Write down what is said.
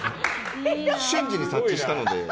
瞬時に察知したので。